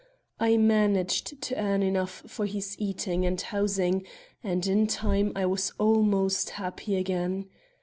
I managed to earn enough for his eating and housing, and in time I was almost happy again.